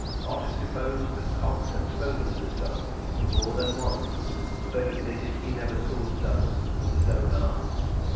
Pott deposed that Cox had spoken of this double more than once; but admitted he never saw the double with his own eyes.